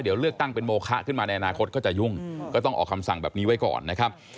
เดี๋ยวเลือกตั้งเป็นโมคะขึ้นมาในอนาคตก็จะยุ่งก็ต้องออกคำสั่งแบบนี้ไว้ก่อนนะครับ